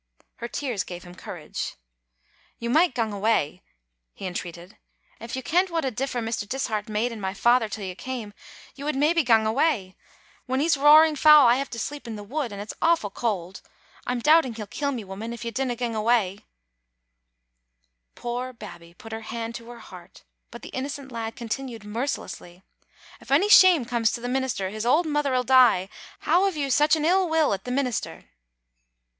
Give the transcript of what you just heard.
Her tears gave him courage. " You micht gang awa," he entreated. "If you kent what a differ Mr. Dishart made in my father till you came, you would Digitized by VjOOQ IC XSbc flew iniotlD* 915 maybe gang awa. When he's roaring fou I have to sleep in the wood, and it's awfu* cauld. I'm doubting he'll kill me, woman, if you dinna gang awa." Poor Babbie put her hand to her heart, but the inno cent lad continued mercilessly — '*If ony shame comes to the minister, his auld mither'll die. How have you sic an ill will at the minister?"